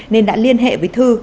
nên đã liên hệ với thư